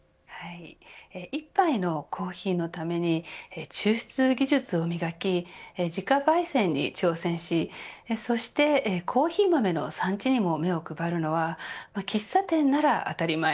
１杯のコーヒーのために抽出技術を磨き自家焙煎に挑戦しそして、コーヒー豆の産地にも目を配るのは喫茶店なら当たり前。